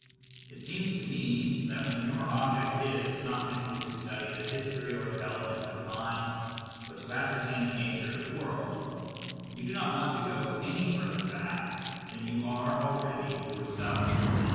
It seems to me that when your object is, not simply to study the history or development of mind, but to ascertain the nature of the world, you do not want to go any further back than you are already yourself.